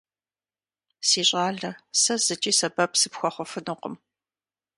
Си щӏалэ, сэ зыкӏи сэбэп сыпхуэхъуфынукъым.